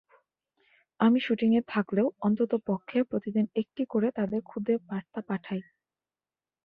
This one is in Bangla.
আমি শুটিংয়ে থাকলেও অন্ততপক্ষে প্রতিদিন একটি করে তাদের খুদে বার্তা পাঠাই।